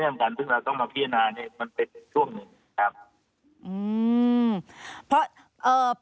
มันเป็นความต่อเนื่องกันซึ่งเราต้องมาพิจารณาเป็นช่วงหนึ่ง